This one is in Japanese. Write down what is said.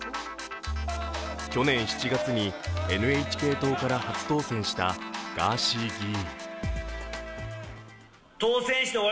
去年７月にＮＨＫ党から初当選したガーシー議員。